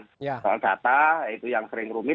soal data itu yang sering rumit